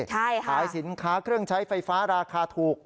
ขายสินค้าเครื่องใช้ไฟฟ้าราคาถูก